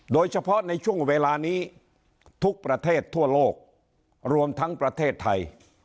โดยเฉพาะในช่วงเวลานี้ทุกประเทศทั่วโลกรวมทั้งประเทศไทย